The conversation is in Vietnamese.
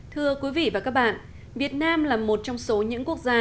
thưa quý vị và các bạn việt nam là một trong số những quốc gia